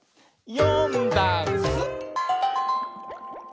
「よんだんす」